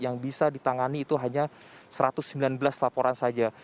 yang bisa ditangani itu hanya satu ratus sembilan belas laporan saja